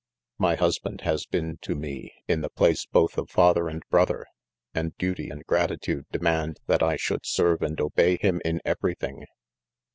My husband has been to me, in the place both of father and brother 5 and duty and gratitude demand that I should serve and obey him in; everything